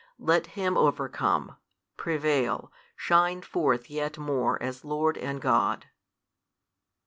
Let Him overcome, prevail, shine forth yet more as Lord and God.